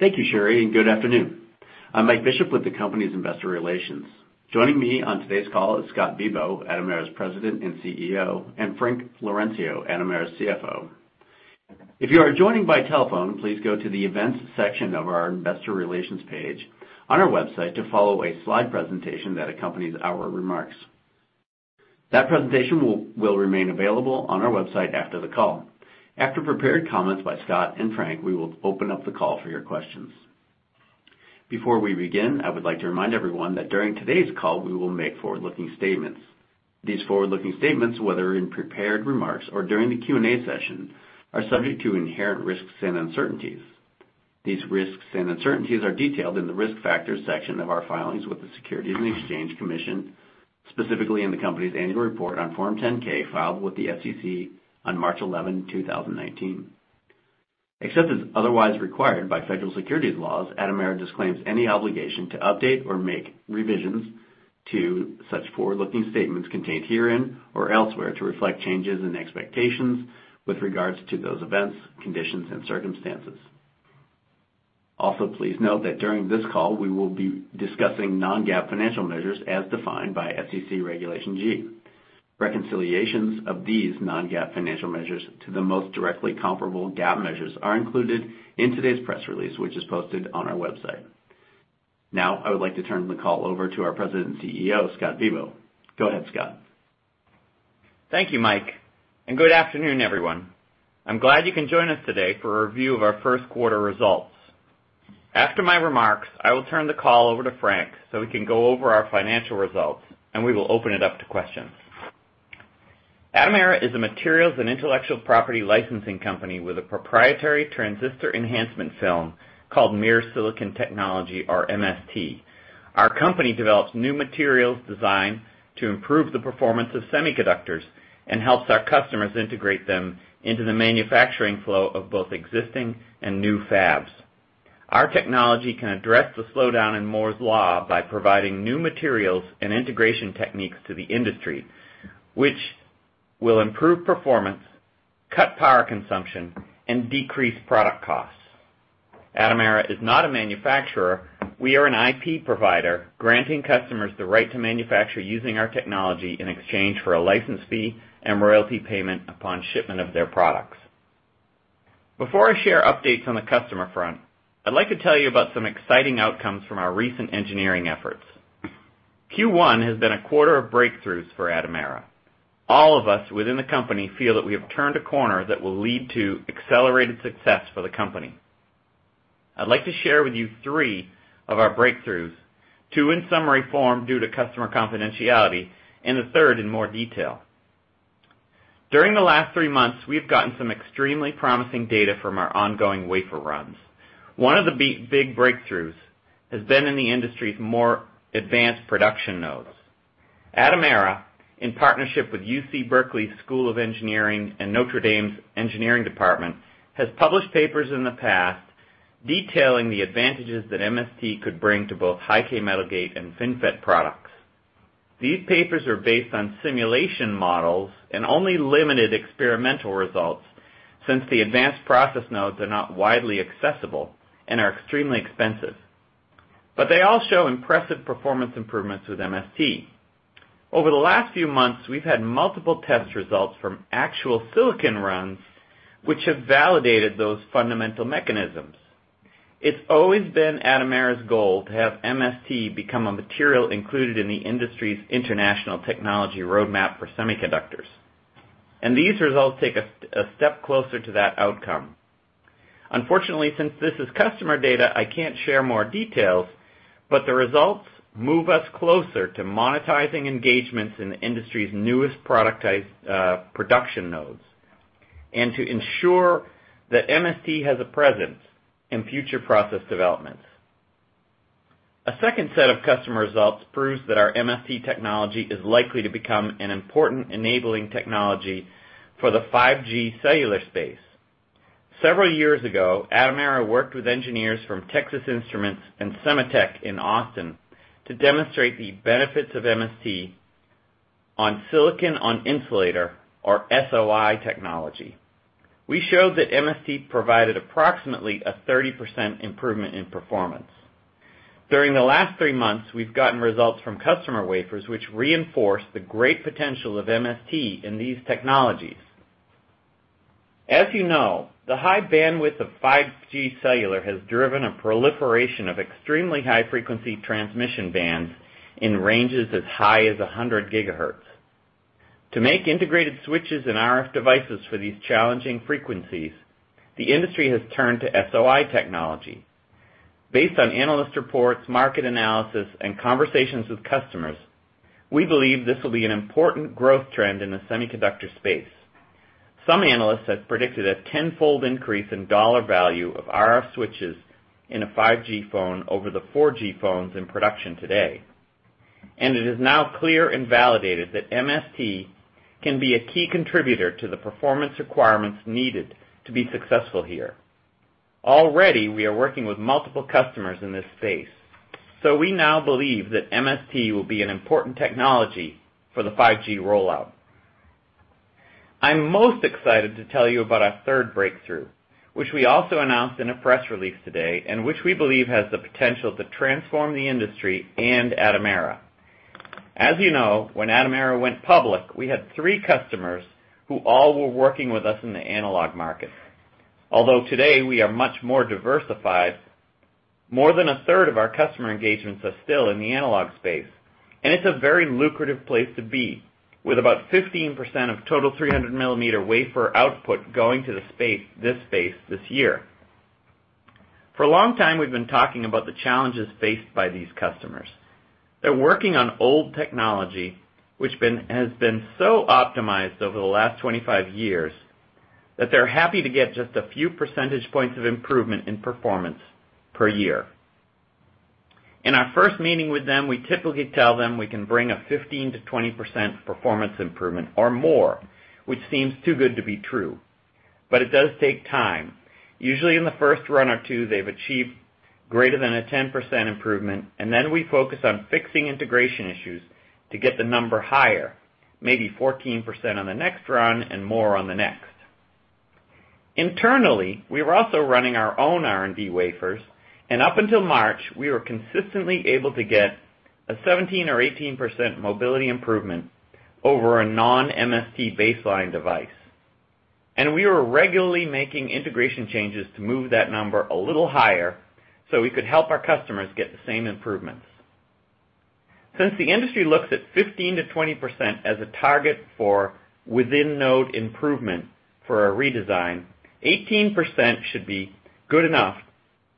Thank you, Sherry, and good afternoon. I'm Mike Bishop with the company's investor relations. Joining me on today's call is Scott Bibaud, Atomera's President and CEO, and Frank Laurencio, Atomera's CFO. If you are joining by telephone, please go to the Events section of our investor relations page on our website to follow a slide presentation that accompanies our remarks. That presentation will remain available on our website after the call. After prepared comments by Scott and Frank, we will open up the call for your questions. Before we begin, I would like to remind everyone that during today's call, we will make forward-looking statements. These forward-looking statements, whether in prepared remarks or during the Q&A session, are subject to inherent risks and uncertainties. These risks and uncertainties are detailed in the Risk Factors section of our filings with the Securities and Exchange Commission, specifically in the company's annual report on Form 10-K, filed with the SEC on March 11, 2019. Except as otherwise required by federal securities laws, Atomera disclaims any obligation to update or make revisions to such forward-looking statements contained herein or elsewhere to reflect changes in expectations with regards to those events, conditions, and circumstances. Please note that during this call, we will be discussing non-GAAP financial measures as defined by SEC Regulation G. Reconciliations of these non-GAAP financial measures to the most directly comparable GAAP measures are included in today's press release, which is posted on our website. I would like to turn the call over to our President and CEO, Scott Bibaud. Go ahead, Scott. Thank you, Mike, and good afternoon, everyone. I'm glad you can join us today for a review of our first quarter results. After my remarks, I will turn the call over to Frank, so he can go over our financial results, and we will open it up to questions. Atomera is a materials and intellectual property licensing company with a proprietary transistor enhancement film called Mears Silicon Technology, or MST. Our company develops new materials designed to improve the performance of semiconductors and helps our customers integrate them into the manufacturing flow of both existing and new fabs. Our technology can address the slowdown in Moore's law by providing new materials and integration techniques to the industry, which will improve performance, cut power consumption, and decrease product costs. Atomera is not a manufacturer. We are an IP provider, granting customers the right to manufacture using our technology in exchange for a license fee and royalty payment upon shipment of their products. Before I share updates on the customer front, I'd like to tell you about some exciting outcomes from our recent engineering efforts. Q1 has been a quarter of breakthroughs for Atomera. All of us within the company feel that we have turned a corner that will lead to accelerated success for the company. I'd like to share with you three of our breakthroughs, two in summary form due to customer confidentiality, and the third in more detail. During the last three months, we've gotten some extremely promising data from our ongoing wafer runs. One of the big breakthroughs has been in the industry's more advanced production nodes. Atomera, in partnership with UC Berkeley College of Engineering and Notre Dame's engineering department, has published papers in the past detailing the advantages that MST could bring to both high-k metal gate and FinFET products. These papers are based on simulation models and only limited experimental results since the advanced process nodes are not widely accessible and are extremely expensive. They all show impressive performance improvements with MST. Over the last few months, we've had multiple test results from actual silicon runs, which have validated those fundamental mechanisms. It's always been Atomera's goal to have MST become a material included in the industry's International Technology Roadmap for Semiconductors, and these results take us a step closer to that outcome. Unfortunately, since this is customer data, I can't share more details, but the results move us closer to monetizing engagements in the industry's newest production nodes and to ensure that MST has a presence in future process developments. A second set of customer results proves that our MST technology is likely to become an important enabling technology for the 5G cellular space. Several years ago, Atomera worked with engineers from Texas Instruments and Sematech in Austin to demonstrate the benefits of MST on silicon on insulator, or SOI technology. We showed that MST provided approximately a 30% improvement in performance. During the last three months, we've gotten results from customer wafers, which reinforce the great potential of MST in these technologies. As you know, the high bandwidth of 5G cellular has driven a proliferation of extremely high frequency transmission bands in ranges as high as 100 gigahertz. To make integrated switches and RF devices for these challenging frequencies, the industry has turned to SOI technology. Based on analyst reports, market analysis, and conversations with customers, we believe this will be an important growth trend in the semiconductor space. Some analysts have predicted a tenfold increase in dollar value of RF switches in a 5G phone over the 4G phones in production today. It is now clear and validated that MST can be a key contributor to the performance requirements needed to be successful here. Already, we are working with multiple customers in this space. We now believe that MST will be an important technology for the 5G rollout. I'm most excited to tell you about our third breakthrough, which we also announced in a press release today, and which we believe has the potential to transform the industry and Atomera. As you know, when Atomera went public, we had three customers who all were working with us in the analog market. Although today we are much more diversified, more than a third of our customer engagements are still in the analog space, and it's a very lucrative place to be, with about 15% of total 300 millimeter wafer output going to this space this year. For a long time we've been talking about the challenges faced by these customers. They're working on old technology, which has been so optimized over the last 25 years that they're happy to get just a few percentage points of improvement in performance per year. In our first meeting with them, we typically tell them we can bring a 15%-20% performance improvement or more, which seems too good to be true, but it does take time. Usually in the first run or two, they've achieved greater than a 10% improvement, then we focus on fixing integration issues to get the number higher, maybe 14% on the next run, and more on the next. Internally, we are also running our own R&D wafers, up until March, we were consistently able to get a 17% or 18% mobility improvement over a non-MST baseline device. We were regularly making integration changes to move that number a little higher, so we could help our customers get the same improvements. Since the industry looks at 15%-20% as a target for within-node improvement for a redesign, 18% should be good enough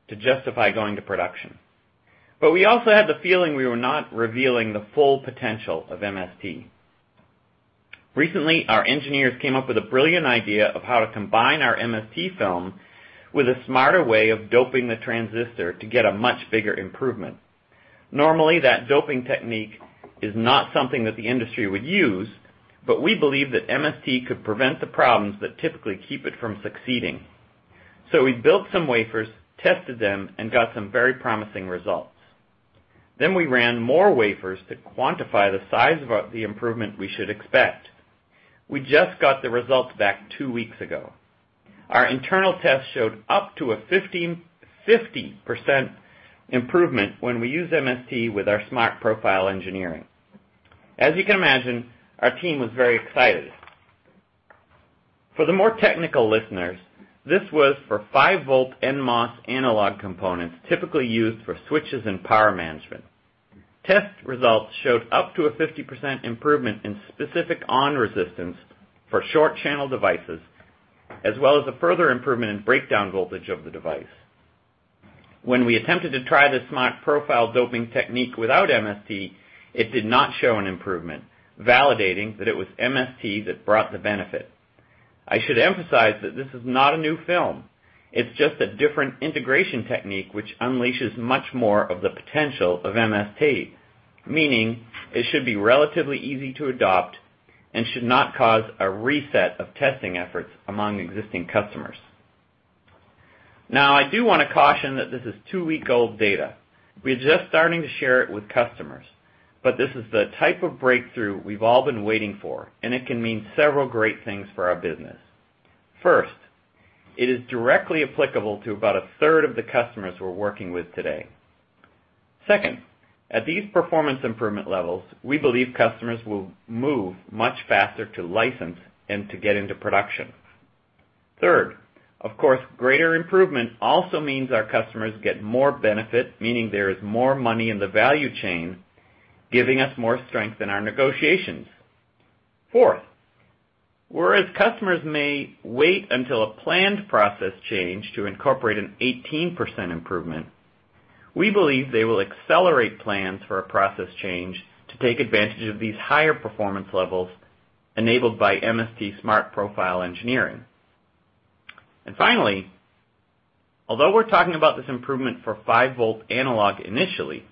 to justify going to production. We also had the feeling we were not revealing the full potential of MST. Recently, our engineers came up with a brilliant idea of how to combine our MST film with a smarter way of doping the transistor to get a much bigger improvement. Normally, that doping technique is not something that the industry would use, but we believe that MST could prevent the problems that typically keep it from succeeding. We built some wafers, tested them, and got some very promising results. We ran more wafers to quantify the size of the improvement we should expect. We just got the results back two weeks ago. Our internal tests showed up to a 50% improvement when we use MST with our Smart Profile engineering. As you can imagine, our team was very excited. For the more technical listeners, this was for 5 volt NMOS analog components, typically used for switches and power management. Test results showed up to a 50% improvement in specific ON resistance for short channel devices, as well as a further improvement in breakdown voltage of the device. When we attempted to try the Smart Profile doping technique without MST, it did not show an improvement, validating that it was MST that brought the benefit. I should emphasize that this is not a new film. It's just a different integration technique which unleashes much more of the potential of MST, meaning it should be relatively easy to adopt and should not cause a reset of testing efforts among existing customers. I do want to caution that this is two-week-old data. We are just starting to share it with customers, but this is the type of breakthrough we've all been waiting for, and it can mean several great things for our business. First, it is directly applicable to about a third of the customers we're working with today. Second, at these performance improvement levels, we believe customers will move much faster to license and to get into production. Third, of course, greater improvement also means our customers get more benefit, meaning there is more money in the value chain, giving us more strength in our negotiations. Fourth, whereas customers may wait until a planned process change to incorporate an 18% improvement, we believe they will accelerate plans for a process change to take advantage of these higher performance levels enabled by MST Smart Profile engineering. Finally, although we're talking about this improvement for 5 volt analog initially,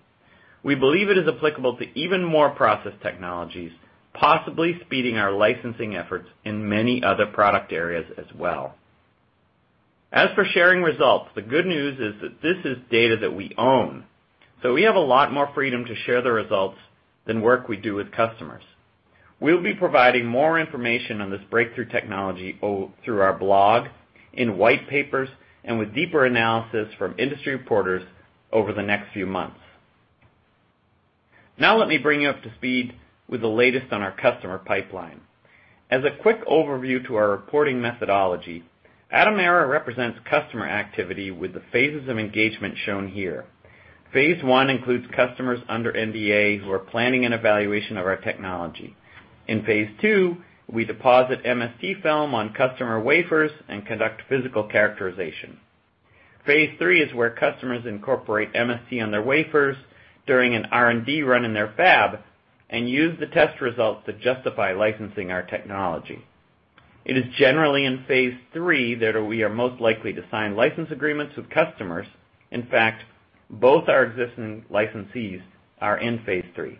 we believe it is applicable to even more process technologies, possibly speeding our licensing efforts in many other product areas as well. As for sharing results, the good news is that this is data that we own. We have a lot more freedom to share the results than work we do with customers. We'll be providing more information on this breakthrough technology through our blog, in white papers, and with deeper analysis from industry reporters over the next few months. Let me bring you up to speed with the latest on our customer pipeline. As a quick overview to our reporting methodology, Atomera represents customer activity with the phases of engagement shown here. Phase 1 includes customers under NDA who are planning an evaluation of our technology. In Phase 2, we deposit MST film on customer wafers and conduct physical characterization. Phase 3 is where customers incorporate MST on their wafers during an R&D run in their fab and use the test results to justify licensing our technology. It is generally in Phase 3 that we are most likely to sign license agreements with customers. In fact, both our existing licensees are in Phase 3.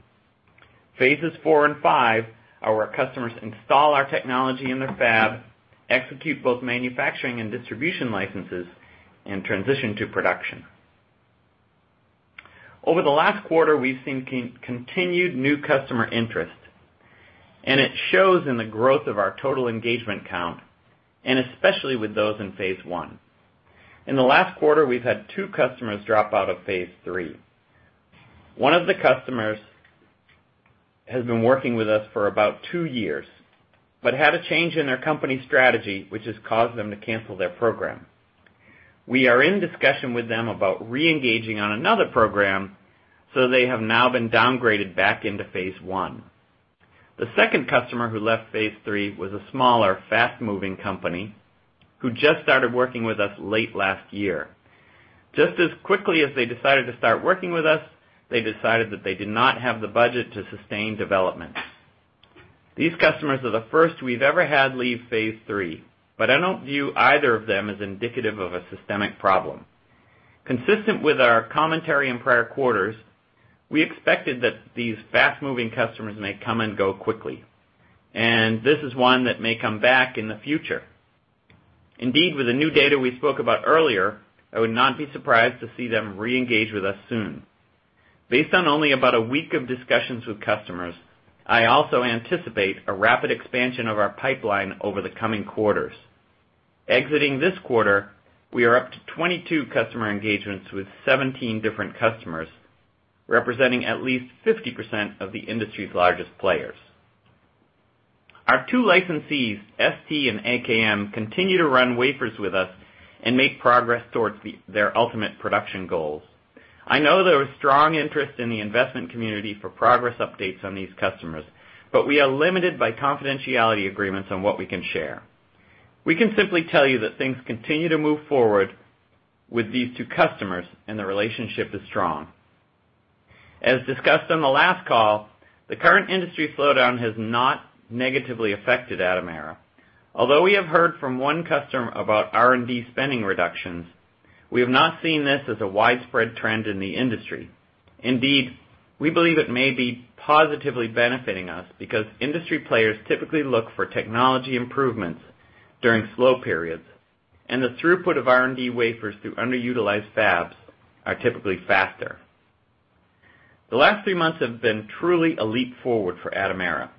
Phases 4 and 5 are where customers install our technology in their fab, execute both manufacturing and distribution licenses, and transition to production. Over the last quarter, we've seen continued new customer interest. It shows in the growth of our total engagement count, especially with those in Phase 1. In the last quarter, we've had two customers drop out of Phase 3. One of the customers has been working with us for about two years, had a change in their company strategy, which has caused them to cancel their program. We are in discussion with them about re-engaging on another program. They have now been downgraded back into Phase 1. The second customer who left Phase 3 was a smaller, fast-moving company who just started working with us late last year. Just as quickly as they decided to start working with us, they decided that they did not have the budget to sustain development. These customers are the first we've ever had leave Phase 3. I don't view either of them as indicative of a systemic problem. Consistent with our commentary in prior quarters, we expected that these fast-moving customers may come and go quickly. This is one that may come back in the future. Indeed, with the new data we spoke about earlier, I would not be surprised to see them re-engage with us soon. Based on only about a week of discussions with customers, I also anticipate a rapid expansion of our pipeline over the coming quarters. Exiting this quarter, we are up to 22 customer engagements with 17 different customers, representing at least 50% of the industry's largest players. Our two licensees, ST and AKM, continue to run wafers with us and make progress towards their ultimate production goals. I know there is strong interest in the investment community for progress updates on these customers. We are limited by confidentiality agreements on what we can share. We can simply tell you that things continue to move forward with these two customers and the relationship is strong. As discussed on the last call, the current industry slowdown has not negatively affected Atomera. Although we have heard from one customer about R&D spending reductions, we have not seen this as a widespread trend in the industry. Indeed, we believe it may be positively benefiting us because industry players typically look for technology improvements during slow periods, and the throughput of R&D wafers through underutilized fabs are typically faster. The last three months have been truly a leap forward for Atomera.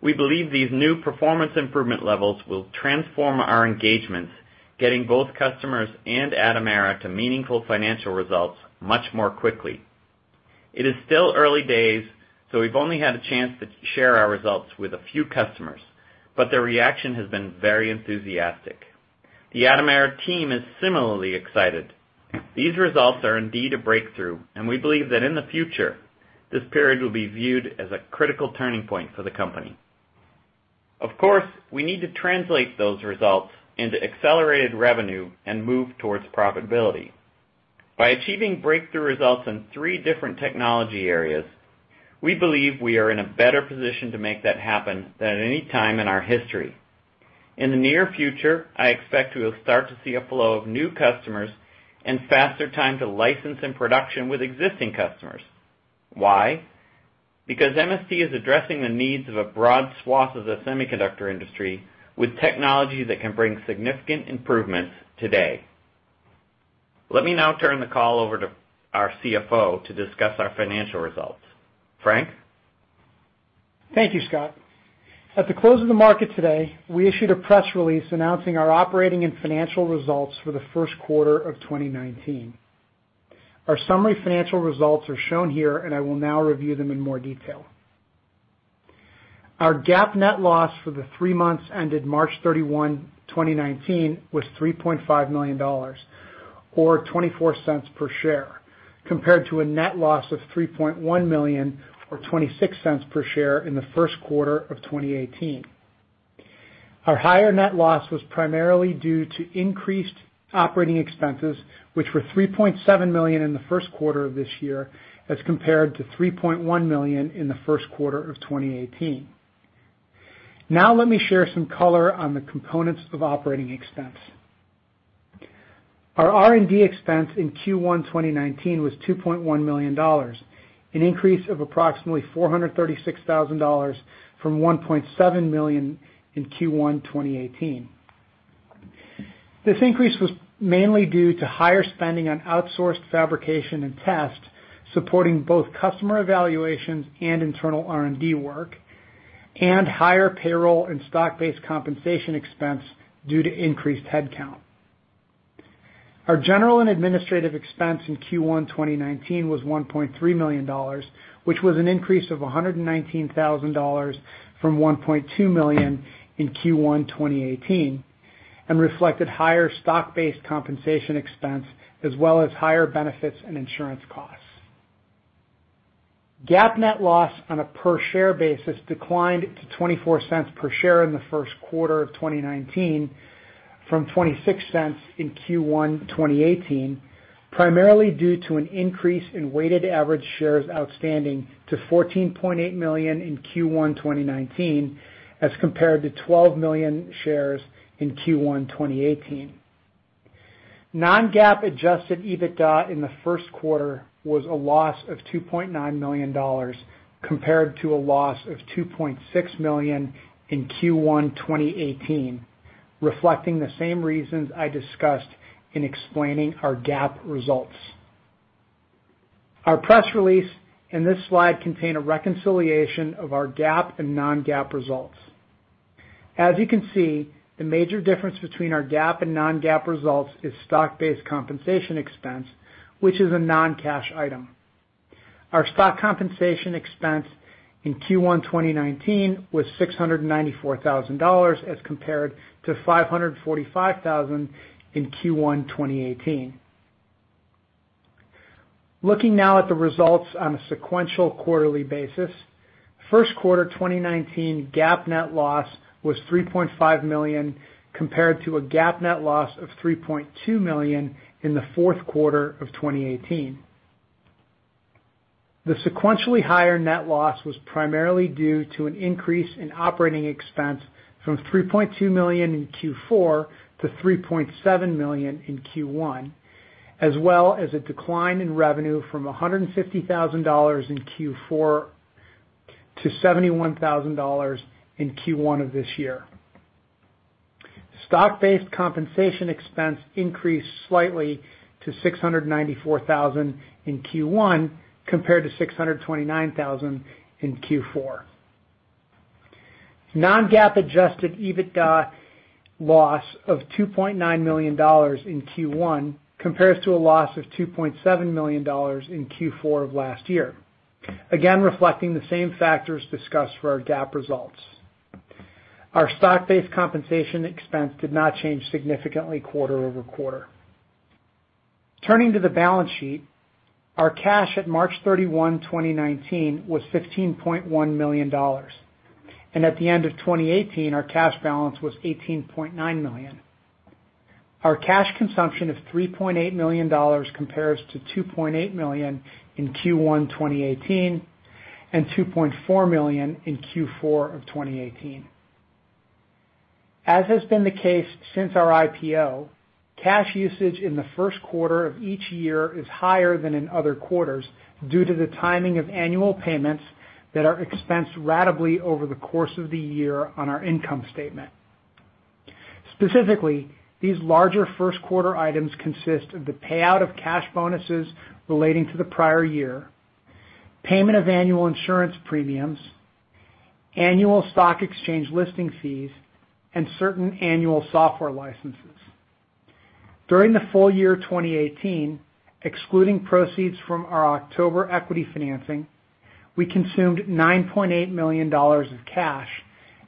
We believe these new performance improvement levels will transform our engagements, getting both customers and Atomera to meaningful financial results much more quickly. It is still early days, so we've only had a chance to share our results with a few customers, but their reaction has been very enthusiastic. The Atomera team is similarly excited. These results are indeed a breakthrough, and we believe that in the future, this period will be viewed as a critical turning point for the company. Of course, we need to translate those results into accelerated revenue and move towards profitability. By achieving breakthrough results in three different technology areas, we believe we are in a better position to make that happen than at any time in our history. In the near future, I expect we will start to see a flow of new customers and faster time to license in production with existing customers. Why? Because MST is addressing the needs of a broad swath of the semiconductor industry with technology that can bring significant improvements today. Let me now turn the call over to our CFO to discuss our financial results. Frank? Thank you, Scott. At the close of the market today, we issued a press release announcing our operating and financial results for the first quarter of 2019. Our summary financial results are shown here. I will now review them in more detail. Our GAAP net loss for the three months ended March 31, 2019, was $3.5 million, or $0.24 per share, compared to a net loss of $3.1 million or $0.26 per share in the first quarter of 2018. Our higher net loss was primarily due to increased operating expenses, which were $3.7 million in the first quarter of this year as compared to $3.1 million in the first quarter of 2018. Let me share some color on the components of operating expense. Our R&D expense in Q1 2019 was $2.1 million, an increase of approximately $436,000 from $1.7 million in Q1 2018. This increase was mainly due to higher spending on outsourced fabrication and test, supporting both customer evaluations and internal R&D work, and higher payroll and stock-based compensation expense due to increased headcount. Our general and administrative expense in Q1 2019 was $1.3 million, which was an increase of $119,000 from $1.2 million in Q1 2018, and reflected higher stock-based compensation expense as well as higher benefits and insurance costs. GAAP net loss on a per-share basis declined to $0.24 per share in the first quarter of 2019 from $0.26 in Q1 2018, primarily due to an increase in weighted average shares outstanding to 14.8 million in Q1 2019 as compared to 12 million shares in Q1 2018. Non-GAAP adjusted EBITDA in the first quarter was a loss of $2.9 million, compared to a loss of $2.6 million in Q1 2018. Reflecting the same reasons I discussed in explaining our GAAP results. Our press release and this slide contain a reconciliation of our GAAP and non-GAAP results. As you can see, the major difference between our GAAP and non-GAAP results is stock-based compensation expense, which is a non-cash item. Our stock-based compensation expense in Q1 2019 was $694,000 as compared to $545,000 in Q1 2018. Looking now at the results on a sequential quarterly basis. First quarter 2019 GAAP net loss was $3.5 million, compared to a GAAP net loss of $3.2 million in the fourth quarter of 2018. The sequentially higher net loss was primarily due to an increase in operating expense from $3.2 million in Q4 to $3.7 million in Q1, as well as a decline in revenue from $150,000 in Q4 to $71,000 in Q1 of this year. Stock-based compensation expense increased slightly to $694,000 in Q1 compared to $629,000 in Q4. Non-GAAP adjusted EBITDA loss of $2.9 million in Q1 compares to a loss of $2.7 million in Q4 of last year, reflecting the same factors discussed for our GAAP results. Our stock-based compensation expense did not change significantly quarter-over-quarter. Turning to the balance sheet, our cash at March 31, 2019 was $15.1 million. At the end of 2018, our cash balance was $18.9 million. Our cash consumption of $3.8 million compares to $2.8 million in Q1 2018 and $2.4 million in Q4 of 2018. As has been the case since our IPO, cash usage in the first quarter of each year is higher than in other quarters due to the timing of annual payments that are expensed ratably over the course of the year on our income statement. Specifically, these larger first-quarter items consist of the payout of cash bonuses relating to the prior year, payment of annual insurance premiums, annual stock exchange listing fees, and certain annual software licenses. During the full year 2018, excluding proceeds from our October equity financing, we consumed $9.8 million of cash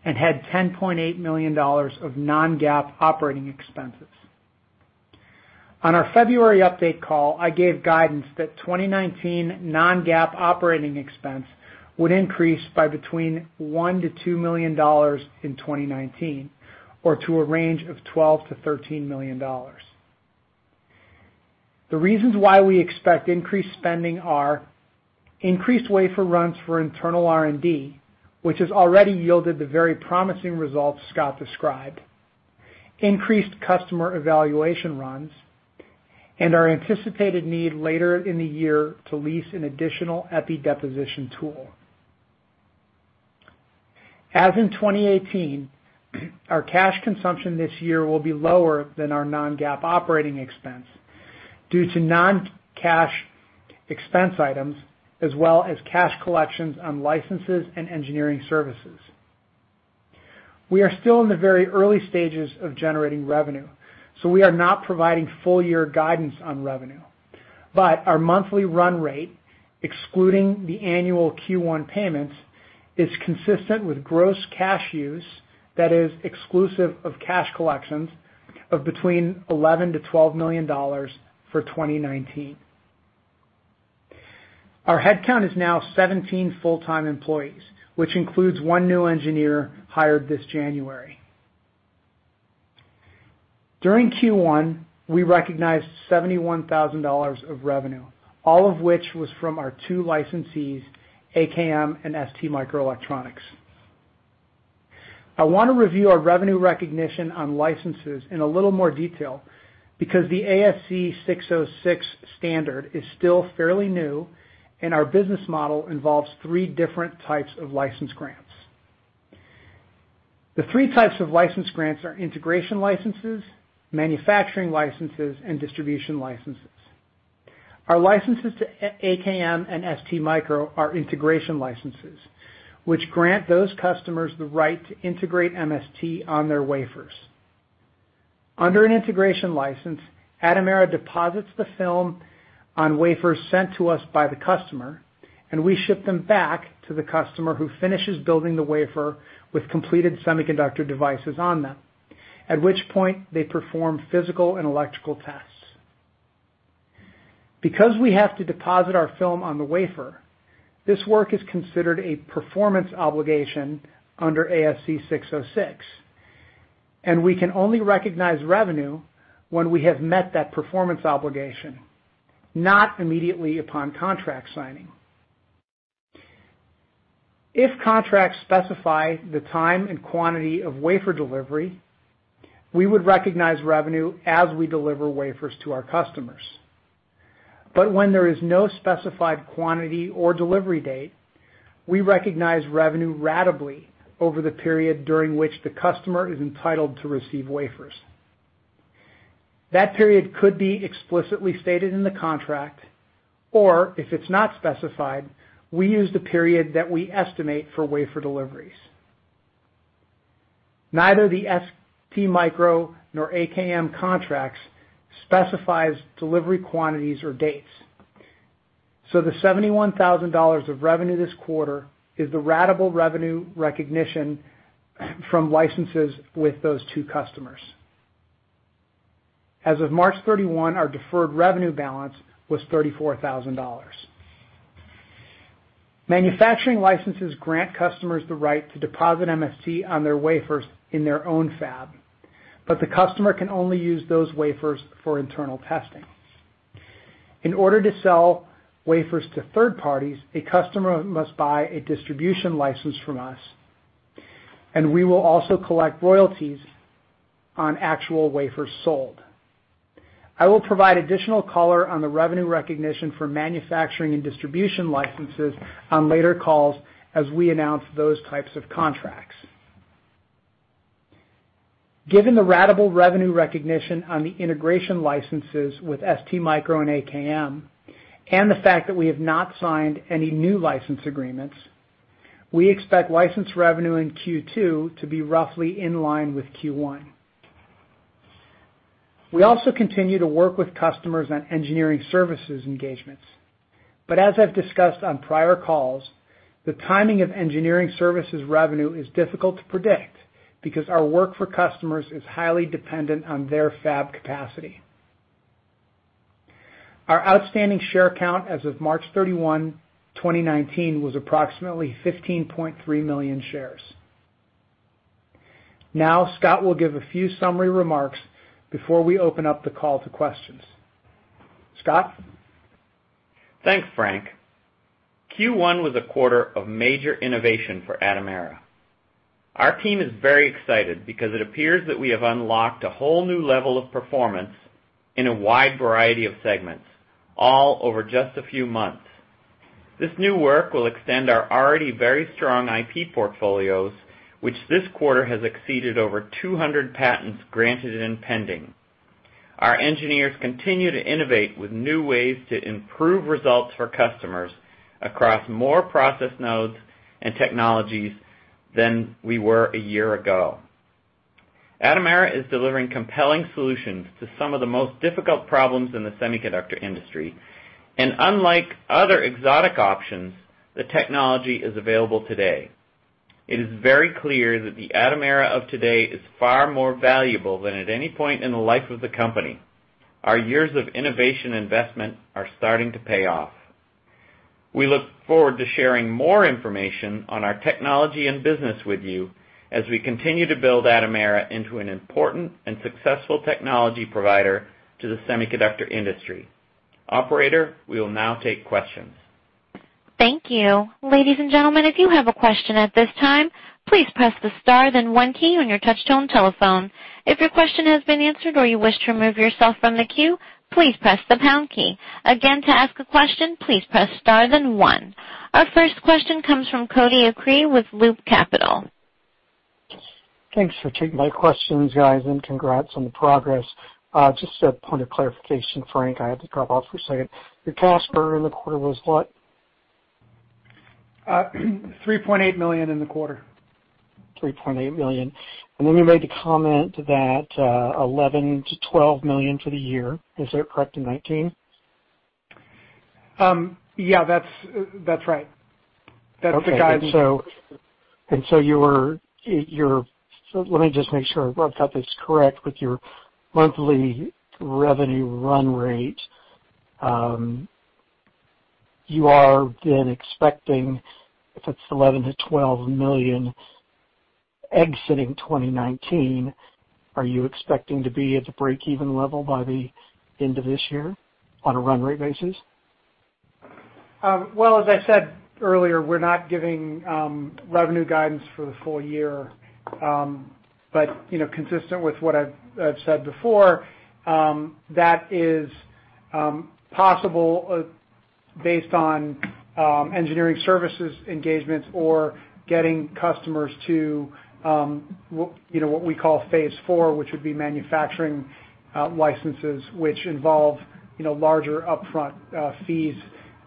and had $10.8 million of non-GAAP operating expenses. On our February update call, I gave guidance that 2019 non-GAAP operating expense would increase by between $1 million-$2 million in 2019 or to a range of $12 million-$13 million. The reasons why we expect increased spending are increased wafer runs for internal R&D, which has already yielded the very promising results Scott described, increased customer evaluation runs, and our anticipated need later in the year to lease an additional epi deposition tool. As in 2018, our cash consumption this year will be lower than our non-GAAP operating expense due to non-cash expense items, as well as cash collections on licenses and engineering services. We are still in the very early stages of generating revenue. We are not providing full year guidance on revenue. Our monthly run rate, excluding the annual Q1 payments, is consistent with gross cash use that is exclusive of cash collections of between $11 million-$12 million for 2019. Our headcount is now 17 full-time employees, which includes one new engineer hired this January. During Q1, we recognized $71,000 of revenue, all of which was from our two licensees, AKM and STMicroelectronics. I want to review our revenue recognition on licenses in a little more detail because the ASC 606 standard is still fairly new, and our business model involves three different types of license grants. The three types of license grants are integration licenses, manufacturing licenses, and distribution licenses. Our licenses to AKM and STMicro are integration licenses, which grant those customers the right to integrate MST on their wafers. Under an integration license, Atomera deposits the film on wafers sent to us by the customer, and we ship them back to the customer who finishes building the wafer with completed semiconductor devices on them, at which point they perform physical and electrical tests. Because we have to deposit our film on the wafer, this work is considered a performance obligation under ASC 606, and we can only recognize revenue when we have met that performance obligation, not immediately upon contract signing. If contracts specify the time and quantity of wafer delivery, we would recognize revenue as we deliver wafers to our customers. When there is no specified quantity or delivery date, we recognize revenue ratably over the period during which the customer is entitled to receive wafers. That period could be explicitly stated in the contract, or if it's not specified, we use the period that we estimate for wafer deliveries. Neither the STMicro nor AKM contracts specifies delivery quantities or dates. The $71,000 of revenue this quarter is the ratable revenue recognition from licenses with those two customers. As of March 31, our deferred revenue balance was $34,000. Manufacturing licenses grant customers the right to deposit MST on their wafers in their own fab, but the customer can only use those wafers for internal testing. In order to sell wafers to third parties, a customer must buy a distribution license from us, and we will also collect royalties on actual wafers sold. I will provide additional color on the revenue recognition for manufacturing and distribution licenses on later calls as we announce those types of contracts. Given the ratable revenue recognition on the integration licenses with STMicro and AKM, and the fact that we have not signed any new license agreements, we expect license revenue in Q2 to be roughly in line with Q1. We also continue to work with customers on engineering services engagements. As I've discussed on prior calls, the timing of engineering services revenue is difficult to predict because our work for customers is highly dependent on their fab capacity. Our outstanding share count as of March 31, 2019 was approximately 15.3 million shares. Now Scott will give a few summary remarks before we open up the call to questions. Scott? Thanks, Frank. Q1 was a quarter of major innovation for Atomera. Our team is very excited because it appears that we have unlocked a whole new level of performance in a wide variety of segments, all over just a few months. This new work will extend our already very strong IP portfolios, which this quarter has exceeded over 200 patents granted and pending. Our engineers continue to innovate with new ways to improve results for customers across more process nodes and technologies than we were a year ago. Atomera is delivering compelling solutions to some of the most difficult problems in the semiconductor industry, and unlike other exotic options, the technology is available today. It is very clear that the Atomera of today is far more valuable than at any point in the life of the company. Our years of innovation investment are starting to pay off. We look forward to sharing more information on our technology and business with you as we continue to build Atomera into an important and successful technology provider to the semiconductor industry. Operator, we will now take questions. Thank you. Ladies and gentlemen, if you have a question at this time, please press the star then one key on your touchtone telephone. If your question has been answered or you wish to remove yourself from the queue, please press the pound key. Again, to ask a question, please press star then one. Our first question comes from Cody Acree with Loop Capital. Thanks for taking my questions, guys, and congrats on the progress. Just a point of clarification, Frank, I had to drop off for a second. Your cash burn in the quarter was what? $3.8 million in the quarter. $3.8 million. Then you made the comment that $11 million-$12 million for the year. Is that correct, in 2019? Yeah. That's right. That's the guidance. Okay. Let me just make sure I've got this correct with your monthly revenue run rate, you are then expecting, if it's $11 million-$12 million exiting 2019, are you expecting to be at the break-even level by the end of this year on a run rate basis? Well, as I said earlier, we're not giving revenue guidance for the full year. Consistent with what I've said before, that is possible based on engineering services engagements or getting customers to what we call phase 4, which would be manufacturing licenses, which involve larger upfront fees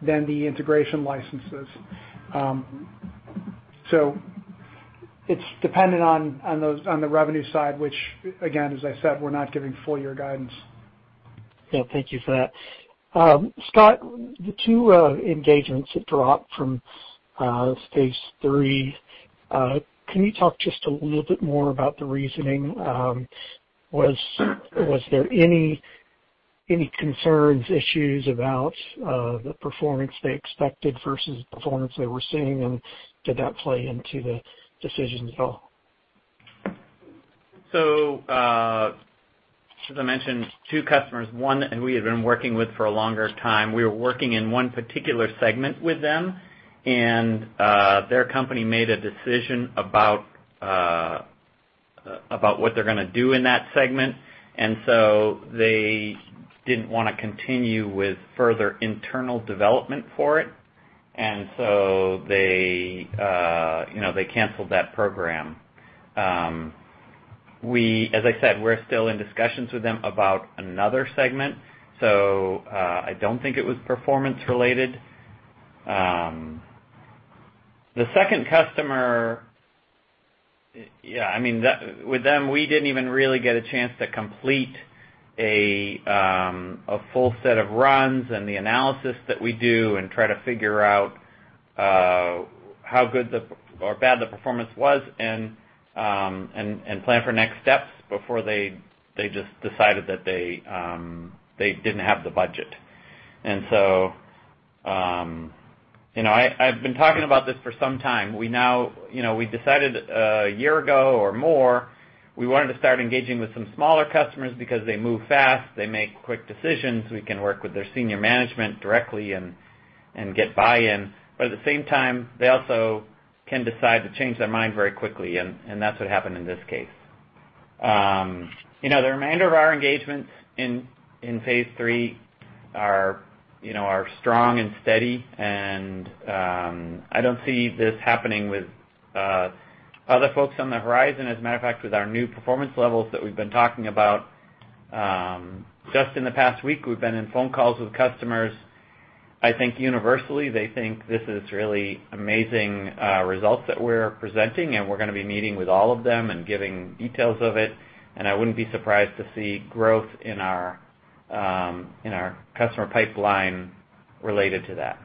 than the integration licenses. It's dependent on the revenue side, which again, as I said, we're not giving full year guidance. Yeah, thank you for that. Scott, the two engagements that dropped from phase 3, can you talk just a little bit more about the reasoning? Was there any concerns, issues about the performance they expected versus performance they were seeing, and did that play into the decision at all? As I mentioned, two customers. One we had been working with for a longer time. We were working in one particular segment with them, and their company made a decision about what they're going to do in that segment. They didn't want to continue with further internal development for it, and they canceled that program. As I said, we're still in discussions with them about another segment, I don't think it was performance related. The second customer, with them, we didn't even really get a chance to complete a full set of runs and the analysis that we do and try to figure out how good or bad the performance was and plan for next steps before they just decided that they didn't have the budget. I've been talking about this for some time. We decided a year ago or more, we wanted to start engaging with some smaller customers because they move fast, they make quick decisions, we can work with their senior management directly and get buy-in. At the same time, they also can decide to change their mind very quickly, and that's what happened in this case. The remainder of our engagements in Phase 3 are strong and steady, and I don't see this happening with other folks on the horizon. As a matter of fact, with our new performance levels that we've been talking about, just in the past week, we've been in phone calls with customers. I think universally, they think this is really amazing results that we're presenting, and we're going to be meeting with all of them and giving details of it. I wouldn't be surprised to see growth in our customer pipeline related to that.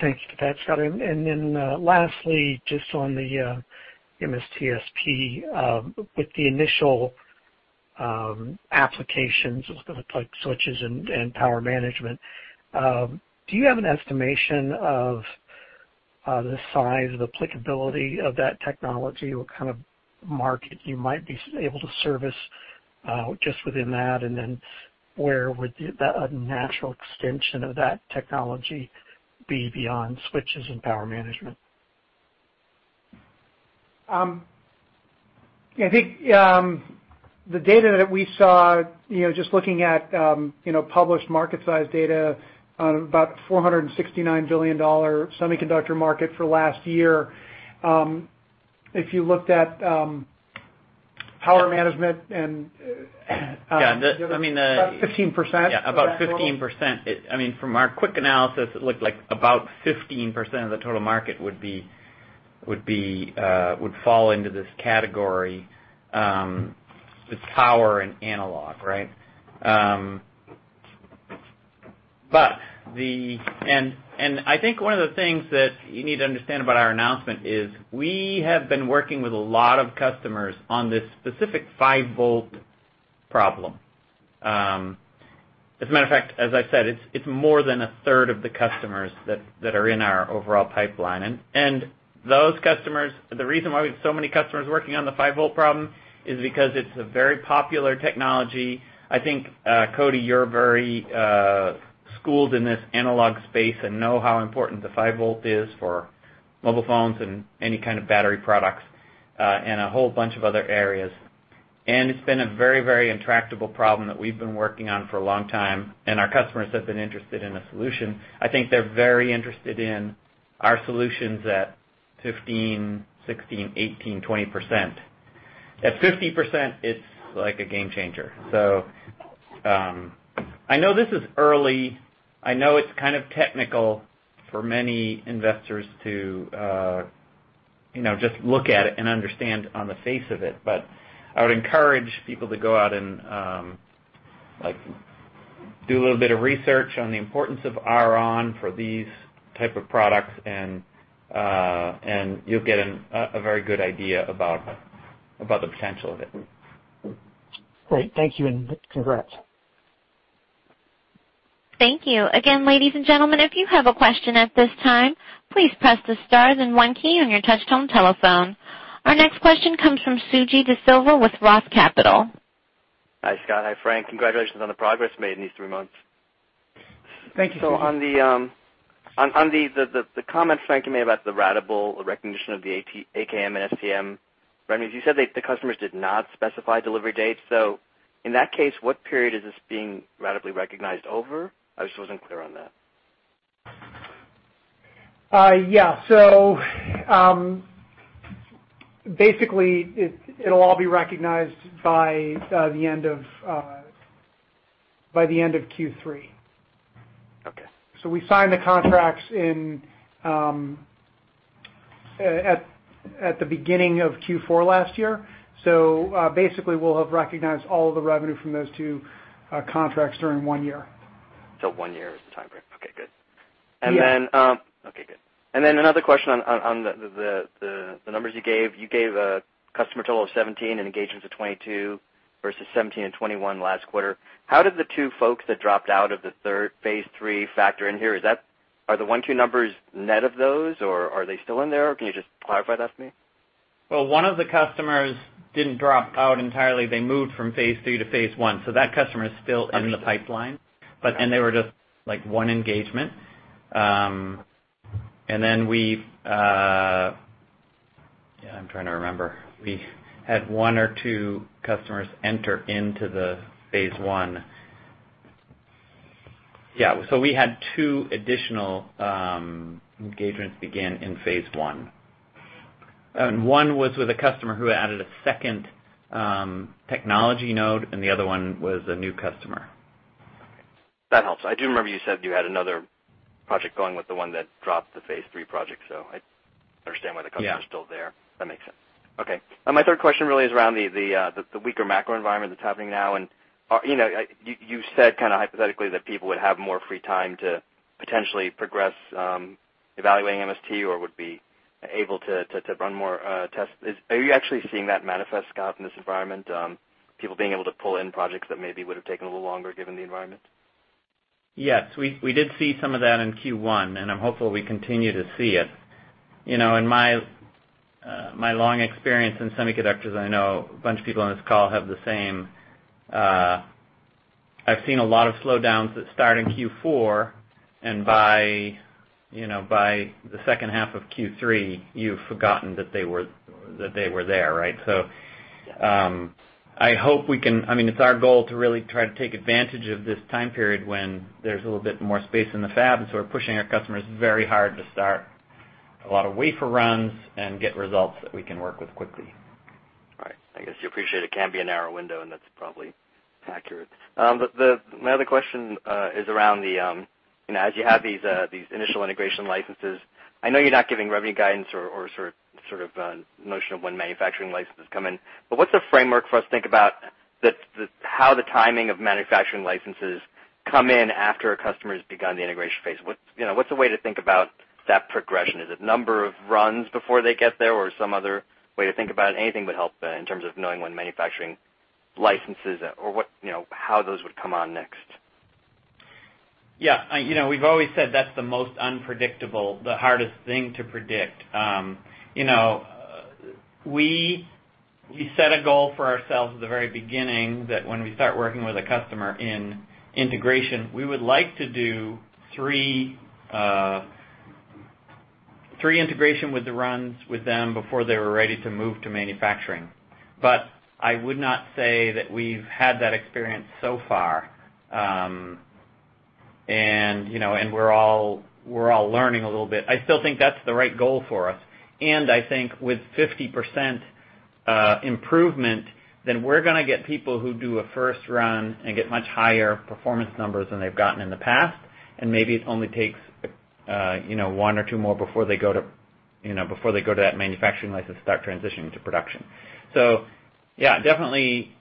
Thanks for that, Scott. Lastly, just on the MST-SP, with the initial applications like switches and power management, do you have an estimation of the size, the applicability of that technology? What kind of market you might be able to service, just within that? Where would a natural extension of that technology be beyond switches and power management? I think, the data that we saw, just looking at published market size data on about $469 billion semiconductor market for last year. If you looked at power management. Yeah. About 15%. Yeah, about 15%. From our quick analysis, it looked like about 15% of the total market would fall into this category, with power and analog. I think one of the things that you need to understand about our announcement is we have been working with a lot of customers on this specific 5-volt problem. As a matter of fact, as I said, it's more than a third of the customers that are in our overall pipeline. Those customers, the reason why we have so many customers working on the 5-volt problem is because it's a very popular technology. I think, Cody, you're very schooled in this analog space and know how important the 5-volt is for mobile phones and any kind of battery products, and a whole bunch of other areas. It's been a very intractable problem that we've been working on for a long time, and our customers have been interested in a solution. I think they're very interested in our solutions at 15%, 16%, 18%, 20%. At 50%, it's like a game changer. I know this is early. I know it's kind of technical for many investors to just look at it and understand on the face of it. I would encourage people to go out and do a little bit of research on the importance of R-on for these type of products, and you'll get a very good idea about the potential of it. Great. Thank you, and congrats. Thank you. Again, ladies and gentlemen, if you have a question at this time, please press the stars and one key on your touchtone telephone. Our next question comes from Suji DeSilva with Roth Capital. Hi, Scott. Hi, Frank. Congratulations on the progress made in these three months. Thank you. On the comments Frank, you made about the ratable, the recognition of the AKM and STM revenues, you said that the customers did not specify delivery dates. In that case, what period is this being ratably recognized over? I just wasn't clear on that. Basically, it'll all be recognized by the end of Q3. Okay. We signed the contracts at the beginning of Q4 last year. Basically, we'll have recognized all of the revenue from those two contracts during one year. One year is the time frame. Okay, good. Yeah. Okay, good. Another question on the numbers you gave. You gave a customer total of 17 and engagements of 22 versus 17 and 21 last quarter. How did the two folks that dropped out of the phase 3 factor in here? Are the one, two numbers net of those, or are they still in there? Can you just clarify that for me? Well, one of the customers didn't drop out entirely. They moved from phase 3 to phase 1. That customer is still in the pipeline, and they were just one engagement. I'm trying to remember. We had one or two customers enter into the phase 1. Yeah. We had two additional engagements begin in phase 1. One was with a customer who added a second technology node, and the other one was a new customer. Okay. That helps. I do remember you said you had another project going with the one that dropped the phase III project, so I understand why the customer Yeah is still there. That makes sense. Okay. My third question really is around the weaker macro environment that's happening now, and you said kind of hypothetically that people would have more free time to potentially progress evaluating MST or would be able to run more tests. Are you actually seeing that manifest, Scott, in this environment, people being able to pull in projects that maybe would've taken a little longer given the environment? Yes. We did see some of that in Q1, and I'm hopeful we continue to see it. In my long experience in semiconductors, I know a bunch of people on this call have the same. I've seen a lot of slowdowns that start in Q4, and by the second half of Q3, you've forgotten that they were there, right? I hope we can. It's our goal to really try to take advantage of this time period when there's a little bit more space in the fab. We're pushing our customers very hard to start a lot of wafer runs and get results that we can work with quickly. Right. I guess you appreciate it can be a narrow window, and that's probably accurate. My other question is around the, as you have these initial integration licenses, I know you're not giving revenue guidance or sort of notion of when manufacturing licenses come in. What's a framework for us to think about how the timing of manufacturing licenses come in after a customer's begun the integration phase? What's a way to think about that progression? Is it number of runs before they get there, or some other way to think about it? Anything would help in terms of knowing when manufacturing licenses or how those would come on next. Yeah. We've always said that's the most unpredictable, the hardest thing to predict. We set a goal for ourselves at the very beginning that when we start working with a customer in integration, we would like to do three integration with the runs with them before they were ready to move to manufacturing. I would not say that we've had that experience so far. We're all learning a little bit. I still think that's the right goal for us, I think with 50% improvement, we're going to get people who do a first run and get much higher performance numbers than they've gotten in the past. Maybe it only takes one or two more before they go to that manufacturing license to start transitioning to production. Yeah, definitely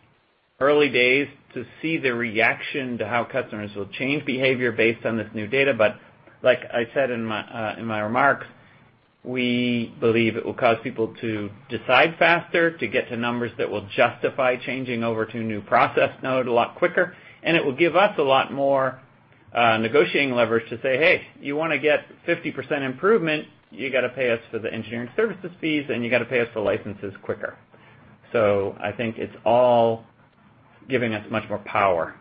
early days to see the reaction to how customers will change behavior based on this new data. Like I said in my remarks, we believe it will cause people to decide faster to get to numbers that will justify changing over to a new process node a lot quicker. It will give us a lot more negotiating leverage to say, "Hey, you want to get 50% improvement, you got to pay us for the engineering services fees, and you got to pay us the licenses quicker." I think it's all giving us much more power.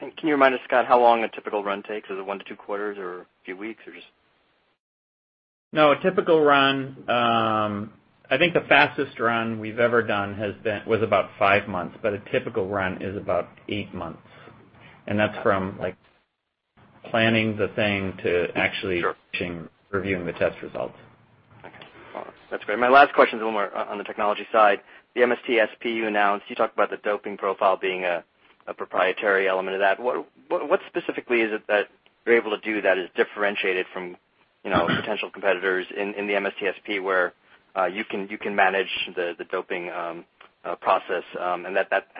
Can you remind us, Scott, how long a typical run takes? Is it one to two quarters or a few weeks or just? No, a typical run, I think the fastest run we've ever done was about five months, a typical run is about eight months, that's from planning the thing to actually Sure reviewing the test results. Okay. Well, that's great. My last question is one more on the technology side. The MST-SP you announced, you talked about the doping profile being a proprietary element of that. What specifically is it that you're able to do that is differentiated from potential competitors in the MST-SP where you can manage the doping process, and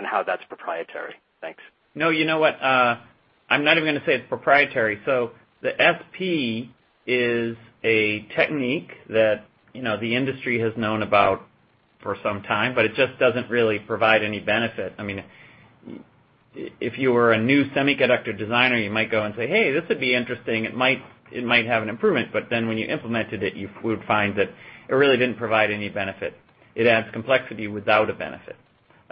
how that's proprietary? Thanks. No, you know what? I'm not even going to say it's proprietary. The SP is a technique that the industry has known about for some time, it just doesn't really provide any benefit. If you were a new semiconductor designer, you might go and say, "Hey, this would be interesting." It might have an improvement, then when you implemented it, you would find that it really didn't provide any benefit. It adds complexity without a benefit.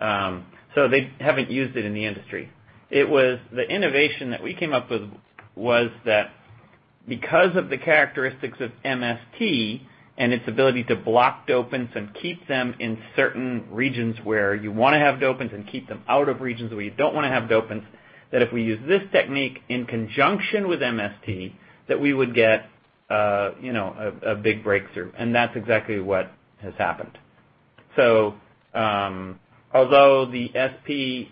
They haven't used it in the industry. The innovation that we came up with was that because of the characteristics of MST and its ability to block dopants and keep them in certain regions where you want to have dopants and keep them out of regions where you don't want to have dopants, that if we use this technique in conjunction with MST, that we would get a big breakthrough, that's exactly what has happened. Although the SP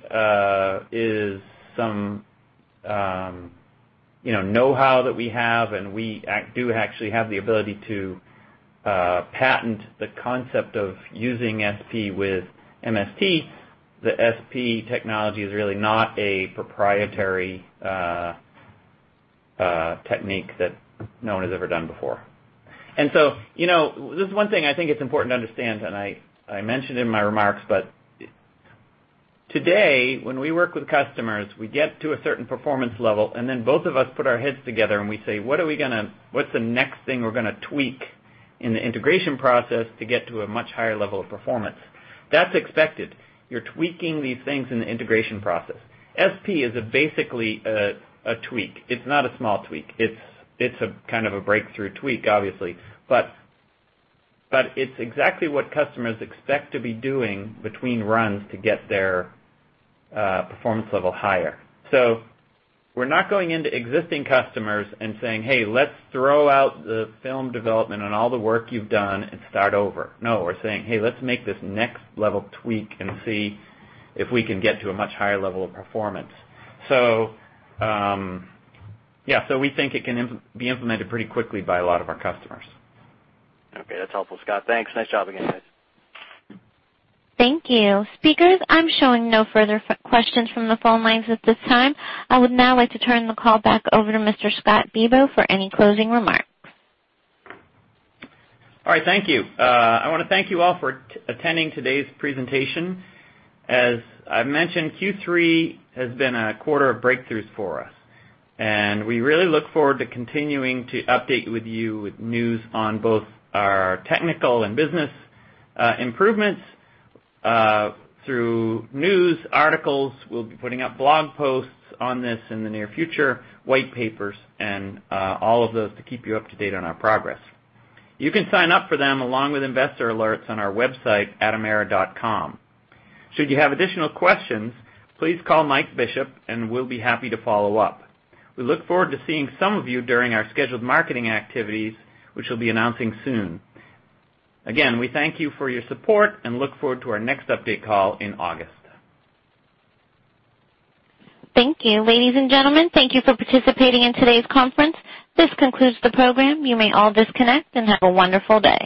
is some know-how that we have, we do actually have the ability to patent the concept of using SP with MST, the SP technology is really not a proprietary technique that no one has ever done before. This is one thing I think it's important to understand. I mentioned in my remarks, but today, when we work with customers, we get to a certain performance level, and then both of us put our heads together and we say, "What's the next thing we're going to tweak?" In the integration process to get to a much higher level of performance. That's expected. You're tweaking these things in the integration process. SP is basically a tweak. It's not a small tweak. It's a kind of a breakthrough tweak, obviously. It's exactly what customers expect to be doing between runs to get their performance level higher. We're not going into existing customers and saying, "Hey, let's throw out the film development and all the work you've done and start over." No. We're saying, "Hey, let's make this next level tweak and see if we can get to a much higher level of performance." We think it can be implemented pretty quickly by a lot of our customers. Okay. That's helpful, Scott. Thanks. Nice job again, guys. Thank you. Speakers, I'm showing no further questions from the phone lines at this time. I would now like to turn the call back over to Mr. Scott Bibaud for any closing remarks. All right. Thank you. I want to thank you all for attending today's presentation. As I mentioned, Q3 has been a quarter of breakthroughs for us, and we really look forward to continuing to update with you with news on both our technical and business improvements, through news articles. We'll be putting up blog posts on this in the near future, white papers, and all of those to keep you up to date on our progress. You can sign up for them along with investor alerts on our website at atomera.com. Should you have additional questions, please call Mike Bishop, and we'll be happy to follow up. We look forward to seeing some of you during our scheduled marketing activities, which we'll be announcing soon. Again, we thank you for your support and look forward to our next update call in August. Thank you. Ladies and gentlemen, thank you for participating in today's conference. This concludes the program. You may all disconnect and have a wonderful day.